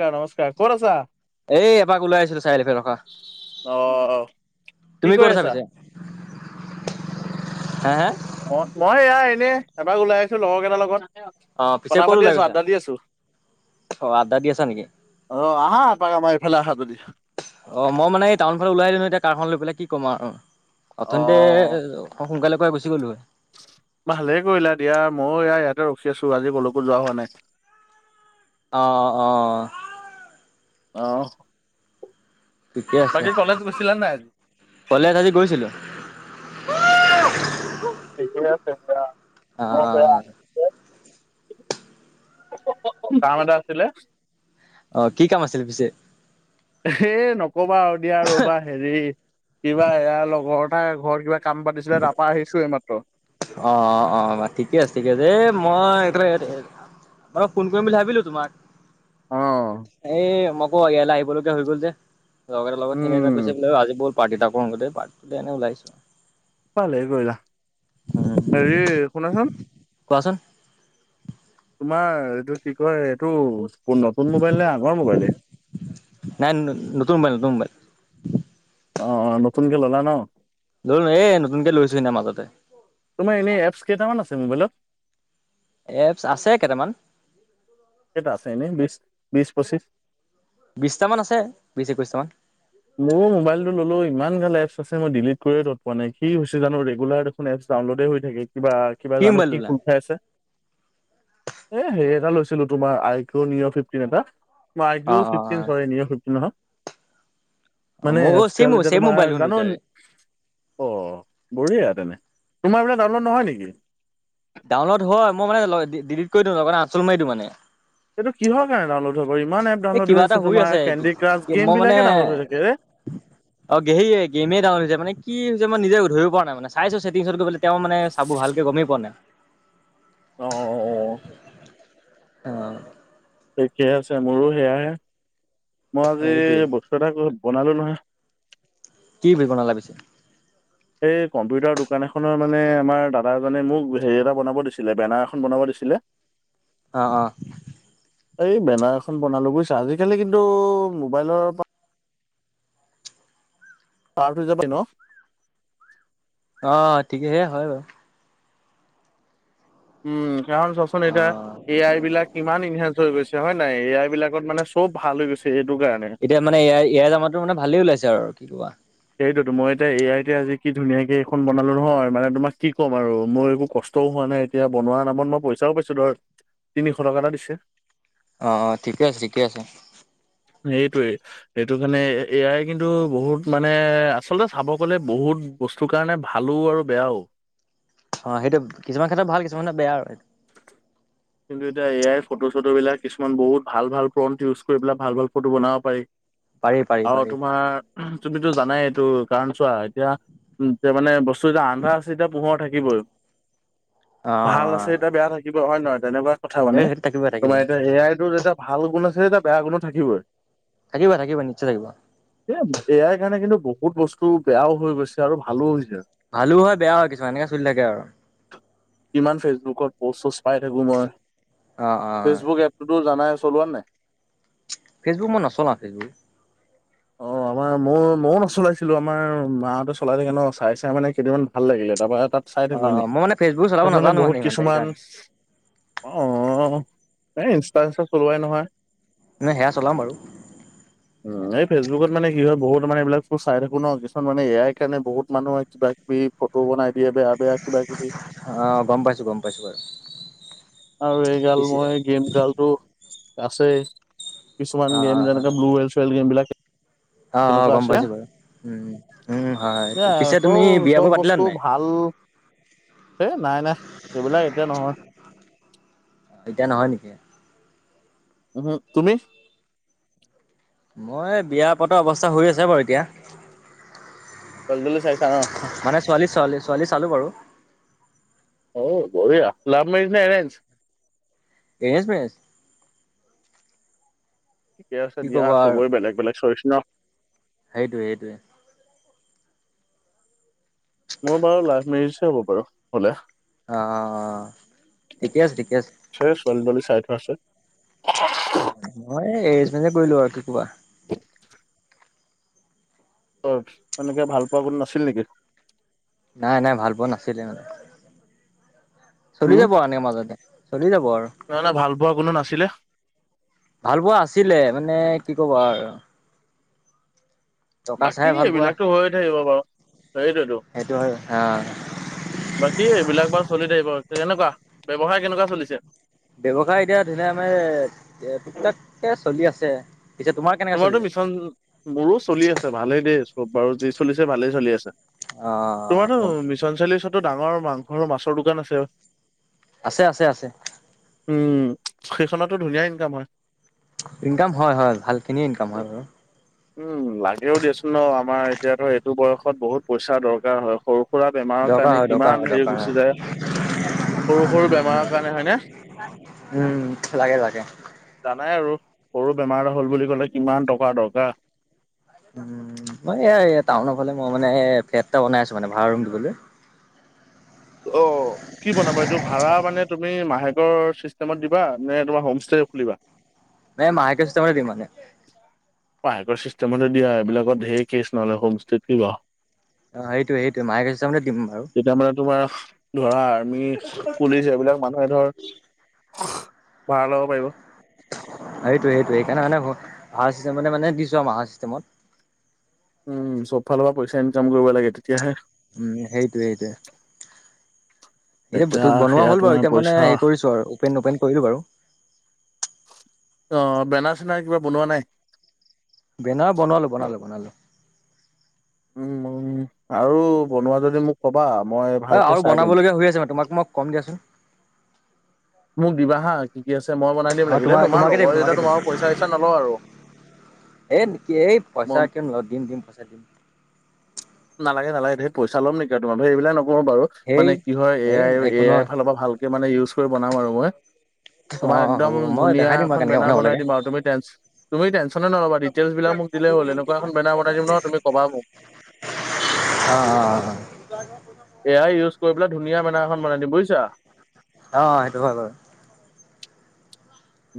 নমস্কাৰ নমস্কাৰ ক'ত আছা এ এপাক ওলাই আছিলো চাৰিআলিফালে ৰখা। অ', অ'। তুমি ক'ত আছা পিছে? হা হা ম মই এয়া এনেই এপাক ওলাই আহিছো লগৰ কেইটাৰ লগত অ পিছে কথা ক'ত পাতি ওলাই আছো গৈছা আড্ডা দি আছো অ আড্ডা দি আছা নেকি অহ আহ হ প আমাৰ এইফালে আহা যদি। অ', মই মানে এই টাউন ফালে ওলাই আহিলো এতিয়া কাৰখন লৈ পেলাই কি ক'ম আৰু অ অথনিতে অ সোনকালে কৰাই গুচি গ'লো হয় মই ই ইয়াতে ৰখি আছো আজি কলকো যোৱা হোৱা নাই অ', অ', অ'। অহ ঠিকে আছে বাকী কলেজ গৈছিলা নাই আজি কলেজ আজি গৈছিলো ঠিকেই আছে দিয়া মই সেয়া অ'। কাম এটা আছিলে অ', কি কাম আছিল পিছে? এ নকবা আৰু দিয়া ৰ'বা হেৰি কিবা এৰা লগত ত ঘৰ কিবা কাম পাতিছিলে তাৰপা আহিছো এই মাত্ৰ। অ', অ', অ', ঠিকে আছে ঠিকে আছে, এ মই এই অলপ ফোন কৰিম বুলি ভাবিলো তোমাক অ এই ম অ', এয়ালৈ আহিবলগীয়া হৈ গ'ল যে লগতে লগত সেইনেদিনা গৈছে উম বো আজি ব পাৰ্ট এটা কৰোতে প্ [unintelligible] এনে ওলাইছো ফালে কৰিলা হেৰি শুনাচোন কোৱাচোন। তোমাৰ এইটো কি কয় এইটো কোন নতুন মোবাইল নে আগৰ মোবাইলে। নাই নতুন মোবাইল নতুন মোবাইল অ অ নতুনকে ললা ন লৈ'ল না এ নতুনকে লৈছো সিদিনা মাজতে তোমাৰ এনে এপছ কেইটামান আছে মোবাইলত। এপছ আছে কেটামান কেটা আছে এনেই বিশ বিশ পঁচিছ বিশটামান আছে বিশ একৈশটাামান। মোৰ মোবাইলটো ললো ইমান গাল এছছে মই ডিলিট কৰিও ত প নাই কি হৈছে জানো ৰেগুলাৰ এখন এপছ ডাউনলোডে হৈ থাকে। কিবা কিবা জানো মোবাইল কি ললা খোল খাই আছে এ সেই এটা লৈছিলো তোমাৰ আই ক নিঅ' ফিফটিন এটা। মই অ অ ফিফটিন চ ফিফটিন অ মানে মোৰ ছেম আজিকাল এতিয়া ছেম তোমাৰ মোবাইল দেখোন জানো দুইটাৰে অ। বঢ়িয়া তেনে। তোমাৰ এইবিলাক ডাউনলোড নহয় নেকি ডাউনলোড হয় মই মানে ডিলিট কৰি দিওঁ লগে লগ আনষ্টল মাৰি দিও মানে এইটো কিহৰ কাৰণে ডাউনলোড হল ইমান এপ এই ডাউনলোড কিবা হৈ এটা আছে তোমাৰ কেন্দি ক্ৰাছ মই গেম মানে বিলাকে ডাউনলোড হৈ থাকে ৰে অ ঘেহৰয়ে গেমোঙৰ হৈছো কি হৈছে মই নিজে ধৰিব পৰা নাই মানে চাইছো ছেটিংছত গৈ পেলাই তেওঁ মানে চাব ভালকে গমেই পোৱা নাই অ অ অ। ঠিকে আছে মোৰো সেয়াহে মই আজি সেইটোৱে বস্তু এটা কম বনালো নহয় কি দি বনালা পিছে এই কম্পিউটাৰ দোকান এখনৰ মানে আমাৰ দাদা এাজনে মোক হেৰি এটা বনাব দিছিলে বেনাৰ এখন বনাব দি ছিলে অঁ অঁ। এই বেনাৰ এখন বনালোঁ বুজছো আজিকালি কিন্তু মোবাইলৰ পৰা পাচ হৈ যাব পাৰি ন অ ঠিকে হয় বাৰু। উম কাৰণ চোৱাচোন এতিয়া অ এ আই বিলাক কিমান ইনভে হৈ গৈছে হয় নাই এয়াই বিলাকত মানে চব ভাল হৈ গৈছে কাৰণে এতিয়া মানে এয়া এয়াই জামাতো মানে ভালেই ওলাইছে আৰু কি কবা। এইটোতো মই এতিয়া এ আই এতিয়া আজি কি ধুনীয়াকৈ এইখন বনালোঁ নহয় মানে তোমাক কি ক'ম আৰু মোৰ একো কষ্টও হয় মানে এতিয়া বনোৱাৰ নামত মই পইচাও পাইছো ধৰ তিনিশ টকা এটা দিছে। অ অ ঠিকে আছে ঠিকে আছে। এইেইটোৱে এইটো কাৰণে এয়াই কিন্তু বহুত মানে আচলতে চাব গ'লে বহুত বস্তুৰ কাৰণে ভালো আৰু বেয়াও। অ সেইটো কিছুমান ক্ষেত্ৰত ভাল কিছুমান ক্ষেতত বেয়া আৰু। কিন্তু এতিয়া এ আাই ফটো চটোবিলাক কিছুমান বহুত ভাল ভাল পন্ট ইউজ কৰি পেলাই ভাল ভাল ফটো বনাব পাৰি। পাৰি পাৰি আৰু পাৰি। তোমাৰ তুমিতো জানাই এইটো কাৰণ চোৱা এতিয়া উম মানে বস্তু এতিয়া আন্ধা আছে এতিয়া পোহৰ থাকিবই অ অ ভাল আছে এতিয়া অ। বেয়া থাকিব হয়ে নহয় তেনেকুৱা। কথা এ মানে সেইটো থাকিবই তোমাৰ থাকিবই এতিয়া এ আইটোত এটা ভাল গুণ আছে এটা বেয়া গুণো থাকিবই থাকিবই থাকিবই নিশ্চয় থাকিব এই এই আই কাৰণে কিন্তু ব বহুত বস্তু বেয়াও হৈ গৈছে আৰু ভালো হৈছে। ভালো হয় বেয়াও হয় কিছুমান এনেকাই চলি থাকে আৰু কিমান ফেচবুকত প'ষ্ট চষ্ট পাই থাকো মই অ অ অ। ফেচবুক এপটোতো জানাই চলোৱা নে? ফেচবুক মই নচলা ফেচবুক। অ আমাৰ মই ময়ো নচলাইছিলো আমাৰ মাহঁতে চলাই থাকে ন চাই চাই মানে কেইদিনান ভাল লাগিলে তাৰপৰা। তাত চাই অ থাকো অ এনে মই মানে ফেচবুক চলাব তাত মানে নাজানো বহুত ইমান এটা কিছুমান সেইকাৰণে। অ এ ইনষ্টা চাব চলোৱাই নহয় নে সেয়া চলাম বাৰু উম এই ফেচবুকত মানে কি হয় বহুত মানে এইবিলাক চাই থাকো ন, কিছুমান মানে এ আইৰ কাৰণে বহুত মানুহৰ কিবা কিবি ফটো বনাই খোৱা বোৱা কিবা কিবি অ গম পাইছো গম পাইছো বাৰু আৰু এই গাল পিছে অ মই গেম গালটো আছেই কিছুমান অ অ গেম যেনেকে ব্লুৱেলফেল গেমবিলাক অ অ তেনেকুৱা গম আছে, পাইছো বাৰু উম উম হয় এয়াই আৰু, পিছে তুমি চব-চব বিয়াবোৰ পাতিলা বস্তু নাই ভাল এ নাই নাই, এইবিলাক এতিয়া নহয়। অ', এতিয়া নহয় নেকি? উহু, তুমি? মই বিয়া পতা অৱস্থা হৈ আছে বাৰু এতিয়া। ছোৱালী-তোৱালি চাইছা ন? মানে ছোৱালী ছোৱালী ছোৱালী চালো বাৰু অ বঢ়িয়া লা্ব মেৰিজ নে এৰেঞ্জ এৰেঞ্জ মেৰেজ ঠিকে আছে কি দিয়া ক'বা আৰু চবৰে বেলেগ বেলেগ চইছ ন সেইটোৱে সেইটোৱে মই বাৰু লাভ মেৰিজে হ'ব বাৰু হলে অ', ঠিকে আছে ঠিকে আছে। সেই ছোৱালী তোৱালী চাই আছে মই এ এৰেঞ্জমেৰেজে কৰিলো আৰু কি ক'বা। ত এনেকে ভাল পোৱা কোন নাছিল নিকি নাই নাই ভাল পোৱা নাছিলে মানে চলি উম যাব আৰু এনেকে মাজতে, চলি যাব আৰু। নহয় নহয় ভাল পোৱা কোনো নাছিলে ভাল পোৱা আছিলে, মানে কি ক'বা আৰু টকা বাকী চাই ভাল পোৱা এইবিলাকতো হৈয়ে থাকিব বাৰু, সেইটোৱেইতো। সেইটো হয় অ বাকী এইবিলাক বাৰু চলি থাকিব কেনেকুৱা ব্যৱসায় কেনেকুৱা চলিছে ব্যৱসায় এতিয়া ধুনীয়া মানে টুক টাককে চলি আছে পিছে তোমাৰ কেনেকে তোমাৰতো চলিছে মিছন, মোৰো চলি আছে ভালেই দেই, চব বাৰু যি চলিছে ভালেই চলি আছে। অ তোমাৰতো মিছন চাৰিআলিৰ ওচৰততো ডাঙৰ মাংস আৰু মাছৰ দোকান আছে? আছে আছে আছে উম, সেইখনতো ধুনীয়া ইনকাম হয়। ইনকাম হয় হয়, ভালখিনিয়ে ইনকাম হয় বাৰু। উম, লাগেও দিয়াচোন ন, আমাৰ এতিয়া ধৰা এইটো বয়সত বহুত পইচা দৰকাৰ হয়, সৰু খুৰা বেমাৰৰ দৰকাৰ কাৰণে হয় দৰকাৰ কিমান হয় হেৰি দৰকাৰ হয় গুচি যায় সৰু সৰু বেমাৰৰ কাৰণে হয়নে? উম, লাগে লাগে। জানাই আৰু সৰু বেমাৰ এটা হ'ল বুলি ক'লে কিমান টকা দৰকাৰ উম, মই টাউনৰ ফালে মই মানে, ফ্লেট এটা বনাই আছো মানে ভাড়া ৰুম দিবলৈ। [unintelligible] অ', কি বনাবা এইটো ভাড়া মানে, তুমি মাহেক অৰ, চিষ্টেমত দিবা, নে তোমাৰ হোম ষ্টে খুলিবা? নাই মাৰ কেছ এটা দিম মানে অ হাইকৰ চিষ্টেম দিয়া এইবিলাকত ধেৰ কেচ নহলে হোম ষ্টেটো ল অ', সেইটোৱেই সেইটোৱেই, মাহিলী চিষ্টেমতে দিম বাৰু। তেতিয়া মানে তোমাৰ ধৰা আৰ্মি, পুলিচ, এইবিলাক মানুহে ধৰ, ভাড়া ল'ব পাৰিব। সেইটোৱেই-সেইটোৱেই, সেইকাৰণে মানে ভাড়া চিষ্টেমতে মানে দিছো আৰু, মাহৰ চিষ্টেমত। উম, চব ফালৰ পৰা পইচা ইনকাম কৰিব লাগে, তেতিয়াহে উম, সেইটোৱেই সেইটোৱেই। এতিয়া বনোৱা সেয়া হ'ল বাৰু, তোমাৰ এতিয়া মানে পইচা হেৰি কৰিছো আৰু, অপেন-অপেন কৰিলো বাৰু। অ বেনাৰ চেনাৰ কিবা বনোৱা নাই বেনাৰ বনালোঁ, বনালোঁ, বনালোঁ। উম, বাউণ আৰু বনোৱা যদি মোক ক'বা মই অ আৰু ভালকে চাই দিম। বনাবলগীয়া হৈ আছে মানে তোমাক মই কম দিয়াচোন মোক দিবা হা কি কি আছে মই বনাই দিম অ লাগিলে। তোমাক তোমাৰ তোমাকে দিম লগৰ যেতিয়া তোমাৰ পইচা-চইচা নলওঁ আৰু। এ ন কি এই মই পইচা ক দিম- দিম পইচা দিম নালাগে নালাগে, ধেত পইচা লম নেকি আৰু তোমাৰ পৰা। এইবিলাক ন [unintelligible] বাৰু সেই মানে কি হয়, এ সেই আই-এ একো নহয় আইৰ ফালৰ পৰা ভালকে মানে ইউজ কৰি বনাম আৰু মই। অ তোমাৰ একদম হ'ব মই ধুনীয়া দেখাই দিম বাৰু এখন কেনেকে বেনাৰ বনাব বনাই লাগে দিম আৰু তুমি টেন তুমি টনচনে নলবা ডিটেইলচবিলাক মোক দিলেই হ'ল এনেকুৱা এখন বেনাৰ দিম ন তুমি কবা মোক অ', অ', অ', অ'। এ আই ইউজ কৰি পেলাই ধুনীয়া বেনাৰ এখন বনাই দিম। বুজিছা? অঁ সেইটো হয় বাৰু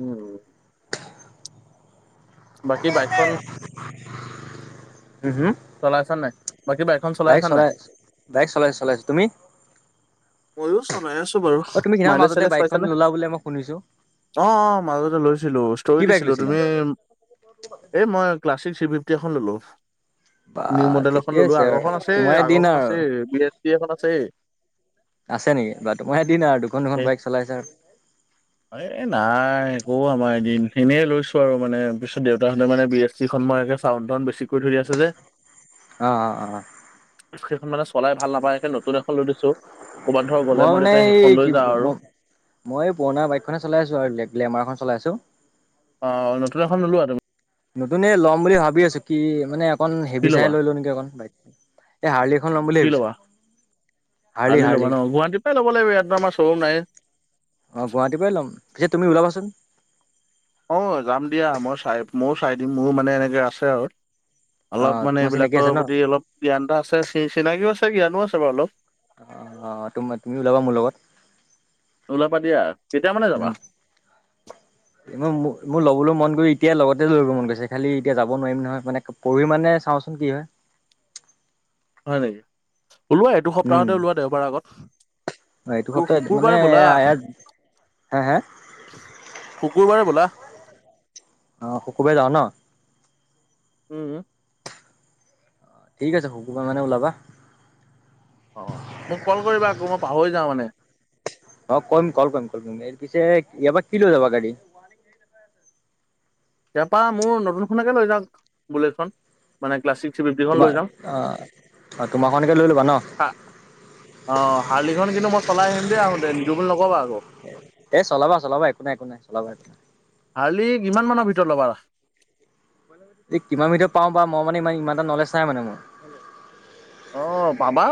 উম-উম। বাকী বাইকখন উম হুম চলাইছা নাই বাকী বাইকখন বাইক চলাইছা নাই চলাই, বাইক চলাই, চলাই আছো তুমি ময়ো চলাই আছো বাৰু। অ তুমি সিদিনা মাজতে মাইলেজ-চাইলেজ বাইকখন পাইছানে? ল'লা বোলে মই শুনিছো অ', অ', মাজতে লৈছিলো। ষ্ট'ৰি কি বাইক দিছিলো লৈছিলা তুমি এ মই ক্লাছিক থ্ৰী ফিফটি এখন ল'লো। বা নিউ মডেল এখন ঠিকে ললো আছে আৰু আগৰখন আছেই, তোমাৰে দিন আগৰখন আৰু আছে বি এছি এখন আছেই। [inaudible] আছে নেকি বাৰ তোমাৰহে দিন আৰু দুখন-দুখন বাইক চলাইছ আৰু এ নাই একো আমাৰে দিন এনেই লৈছো আৰু মানে পিছত দেউতাহঁতৰ মানে বি এছ চি খন মই চাউণ্ড-টাউণ্ড বেছি কৰিলোঁ। ফ্ৰী আছোঁ যে অঁ -অঁ -অঁ সেইখন মানে চলাই ভাল নাপায় সেই কাৰণে নতুন এখন লৈ দিছোঁ। মই মানে এই কি আৰু মই মই পুৰণা বাইকখনে চলাই আছোঁ আৰু গ্লেমাৰখন চলাই আছোঁ। অ' নতুন এখন নোলোৱা তুমি? নতুনে ল'ম বুলি ভাবি আছোঁ কি মানে অকণ কি হেভি চাই ল'বা লৈ লও নেকি অকণ বাইক এই হাৰ্লি এখন ল'ম বুলি কি ভাবিছোঁ। ল'বা হাৰ্লি ল'বা ন? গুৱাহাটীৰ পৰাই ল'ব লাগিব ইয়াত টো আমাৰ চ'ৰুম নাইয়ে। অঁ গুৱাহাটীৰ পৰাই ল'ম পিছে তুমি ওলাবাচোন। অঁ যাম দিয়া মই চাই ময়ো চাই দিম মোৰো মানে এনেকে আছে আৰু অ অলপ মানে তোমাৰ চিনাকি এইবিলাকৰ আছে ন প্ৰতি অলপ জ্ঞান এটা আছে চি চিনাকিও আছে জ্ঞানো আছে বাৰু অলপ। অঁ অহ তুমা- তুমিও ওলাবা মোৰ লগত ওলাবা দিয়া কেতিয়া মানে যাবা উম মো-মোৰ ল'বলৈ মন এতিয়া লগতে লৈব মন গৈছে খালি এতিয়া যাব নোৱাৰিম নহয় মানে পৰহি মানে চাওচোন কি হয়। হয় নেকি ওলোৱা এইটো উম সপ্তাহতে ওলোৱা দেওবাৰ আগত। এইটো সপ্তাহত মানে শু-শুকুৰবাৰে ব'লা। ইয়াত হে হে শুকুৰবাৰে ব'লা। অঁ শুকুৰবাৰে যাও ন। উম-হুম ঠিক আছে শুকুৰবাৰ মানে ওলাবা। অঁ মোক কল কৰিবা আকৌ মই পাহৰি যাওঁ মানে। অঁ কৰিম কল কৰিম কল কৰিম এই পিছে ইয়াৰ পৰা কি লৈ যাবা গাড়ী। ইয়াৰ পৰা মোৰ নতুনখনকে লৈ যাওঁক বুলেটখন মানে ক্লাছিক। থ্ৰী ফিফটিখন লৈ তোমাৰ যাম অ -অ তোমাকখনকে লৈ ল'বা ন অ হাৰ্লিখন কিন্তু মই চলাই আহিম দেই আহোতে নিদো বুলি নকবা আকো এ চলাবা -চলাবা একো নাই একো নাই চলাবা একো নাই। হাৰ্লি কিমান মানৰ ভিতৰত ল'বা? এই কিমান ভিতৰত পাওঁ বা মই মানে ই ইমান এটা ন'লেজ নাই মানে মোৰ। অ পাবা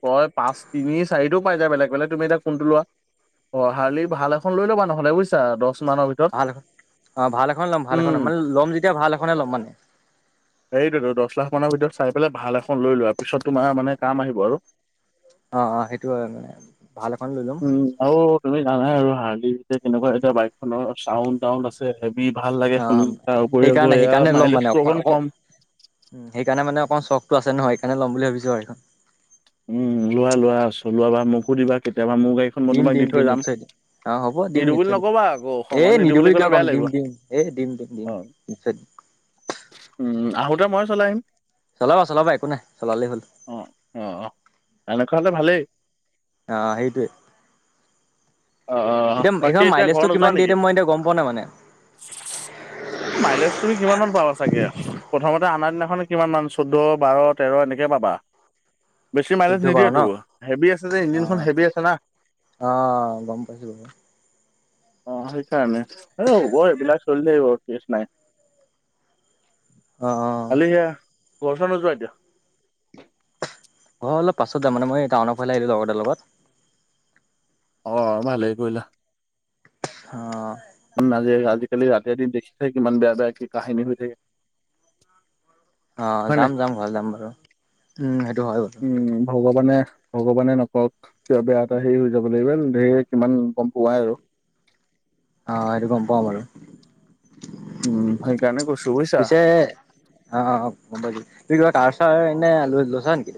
ছয় পাঁচ তিনি চাৰিটো পায় যায় বেলেগ বেলেগ তুমি এতিয়া কোনটো লোৱা? অ' হাৰ্লি ভাল এখন লৈ ল'বা নহ'লে বুইছা দহ মানৰ ভিতৰত ভাল এখন অ' ভাল এখনে ল'ম ভাল এখনে উম ল'ম মানে ল'ম যেতিয়া ভাল এখনে ল'ম মানে। সেই টোৱে টো দহ লাখ মানৰ ভিতৰত চাই পেলাই ভাল এখন লৈ লোৱা। পিছত তোমাৰ মানে কাম আহিব আৰু। অ' অ' সেইটো হয় বাৰু ভাল এখন লৈ ল'ম। উম। আৰু তুমি জানায়ে আৰু হাৰ্লি এতিয়া কেনেকুৱা এতিয়া বাইখনৰ চাউন্ড-টাউন্ড আছে। ভাল লাগে অ শুনি তাৰ উপৰি মাইলেজটো অকণমান কম। উম সেইকাৰণে মানে অকণমান চখটো আছে ন সেইকাৰণে ল'ম বুলি ভাবিছোঁ আৰু় এইখন। উম লোৱা লোৱা চলোৱা বা মোকো দিবা কেতিয়াবা মোৰ গাড়ীখন মই দিম তোমাক দি দিম থৈ দিম যাম। নিশ্চয় দিম অ হ'ব দিম নিদো বুলি নিশ্চয় দিম নক'বা আকৌ এ সময়ত নিদো বুলি ক'লে কিয় ক'ম বেয়া দিম লাগিব অ'। দিম এ দিম দিম দিম নিশ্চয় দিম উম, আহোঁতে মই চলাই আহিম। চলাবা চলাবা একো নাই, চলালেই হ'ল। এনেকোৱা হ'লে ভালেই। অ সেইটোৱে অ অ এতিয়া বাকী এইখন এতিয়া ঘৰ মাইলেজটো নোযোৱা কিমান দিয়ে নেকি এতিয়া মই এতিয়া গম পোৱা নাই মানে মাইলেজ তুমি কিমানমান পাবা চাগে প্ৰথমত তই আনা দিনাখন কিমান মান চৈধ্য, বাৰৰ, তেৰৰ এনেকে পাবা। বেছি মাইলেজ চৈধ্য বাৰ ন নিদিয়েতো হেভি আছে যে অ ইঞ্জিনখন হেভি আছে না। অ গম পাইছো বাৰু অ' সেইকাৰণে এই হ'ব, এইবিলাক চলি থাকিব কেছ নাই। [inaudible] অহ' খালি সেয়া ঘৰ চৰ নোযোৱা এতিয়া। মই অলপ পাছত যাম মানে মই টাউনৰ ফালে আহিলোঁ লগৰ এটাৰ লগত। অ' ভালেই কৰিলা। অ' আজিকালি ৰাতিদিন দেখি থাকে কিমান বেয়া বেয়া কি কাহিনী হৈ থাকে। অ' হয় নাই যাম যাম ঘৰলে যাম বাৰু। উম, সেইটো হয় বাৰু। উম, ভগৱানে ভগৱানে নকওক কিবা বেয়া এটা হেৰি হৈ যাব লাগিব ধেৰ কিমান গ'ম কোৱা আৰু অ' এইইটো গ'ম পাওঁ বাৰু। উম সেইকাৰণে কৈছো বুজিছা পিছে অ' গ'ম পাইছোঁ কিবা কাৰ হয় এনে আলু লৈছা নেকি?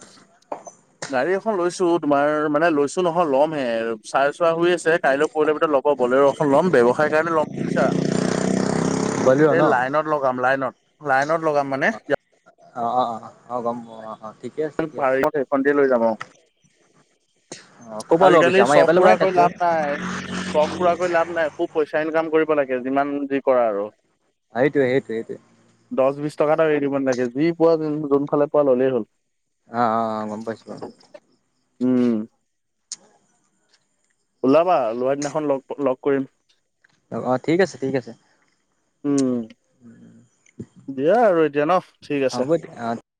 [unintelligible] গাড়ী এখন লৈছোঁ, তোমাৰ মানে লৈছোঁ নহয় ল'ম হে চাই চোৱা হৈ আছে, কাইলৈ পৰোহিলে ভিতৰত ল'ম হ'ব ব'লেৰো এখন ল'ম ব্যৱসায়ৰ কাৰণে ল'ম বুজিছাঁ। বলেৰ' এই ন লাইনত লগাম লাইনত লাইনত লগাম মানে অ' অ' অ' গম অ'। ঠিকে আছে যোনখন ঠিকে আছে পাৰি সেইখন দিয়ে লৈ যাম আৰু। অ'। ক'ৰ পৰা ল'ব আজিকালি পিছে আমাৰ ইয়াৰ চখ পৰা ল'বা নে পুৰাকৰি তেজপুৰৰ লাভ নাই চখ পুৰাকৰি লাভ নাই খুব পইচা ইনকাম কৰিব লাগে যিমান যি কৰা আৰু সেইটোৱে- সেইটোৱে -সেইটোৱে। দহ বিশ টকা এটাও এৰি নালাগে যি পোৱা যোনফালে পোৱা ল'লেই হ'ল। অ' অ' অ' গম পাইছোঁ। উম। ওলাবা লোৱা দিনাখন লগ লগ কৰিম। অ' ঠিক আছে, ঠিক আছে। উম দিয়া আৰু এতিয়া ন। ঠিক আছে হ'ব অ'।